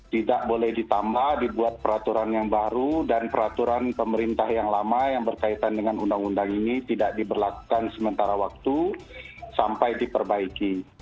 tidak boleh ditambah dibuat peraturan yang baru dan peraturan pemerintah yang lama yang berkaitan dengan undang undang ini tidak diberlakukan sementara waktu sampai diperbaiki